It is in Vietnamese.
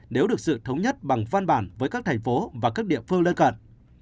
nếu được sự thống nhất bằng văn bản với các thành phố và các địa phương lân cận